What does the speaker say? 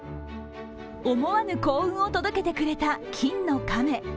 思わぬ幸運を届けてくれた金の亀。